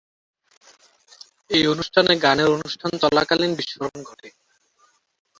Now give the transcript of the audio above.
এই অনুষ্ঠানে গানের অনুষ্ঠান চলাকালীন বিস্ফোরণ ঘটে।